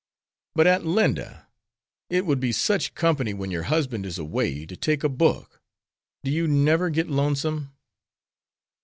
"But, Aunt Linda, it would be such company when your husband is away, to take a book. Do you never get lonesome?"